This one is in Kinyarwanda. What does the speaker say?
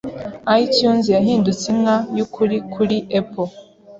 iTunes yahindutse inka yukuri kuri Apple.